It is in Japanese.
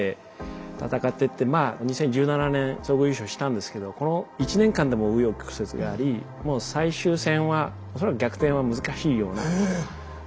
まあ２０１７年総合優勝したんですけどこの１年間でも紆余曲折がありもう最終戦は恐らく逆転は難しいようなポイント差があって。